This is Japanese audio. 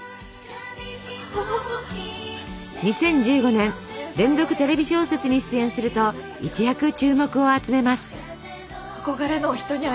２０１５年連続テレビ小説に出演すると一躍注目を集めます。